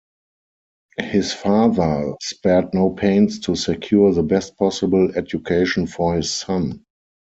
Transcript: His father spared no pains to secure the best possible education for his son.